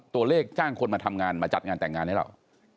จ้างคนมาทำงานมาจัดงานแต่งงานให้เรา